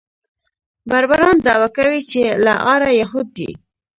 بربران دعوه کوي چې له آره یهود دي.